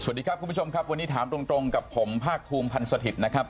สวัสดีครับคุณผู้ชมครับวันนี้ถามตรงกับผมภาคภูมิพันธ์สถิตย์นะครับ